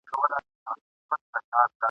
ممکن يوسف عليه السلام يوازي پريږدي.